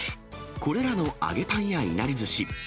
これらの揚げパンやいなりずし。